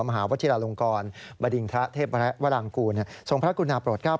มหาวัฒน์ธิราลงกรบดิงทะเทพแวร์ลังกูทรงพระกุณาโปรดก้าว